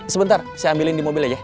sebentar saya ambilin di mobil aja